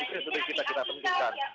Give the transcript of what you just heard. itu yang kita inginkan